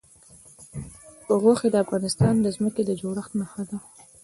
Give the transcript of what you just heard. غوښې د افغانستان د ځمکې د جوړښت نښه ده.